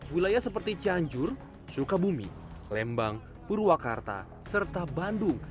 wilayah seperti cianjur sukabumi lembang purwakarta serta bandung